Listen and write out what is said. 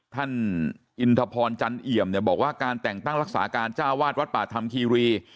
ท่านอินทพรจันเอี่ยมเนี่ยบอกว่าการแต่งตั้งรักษาการเจ้าวาดวัดป่าธรรมคีรี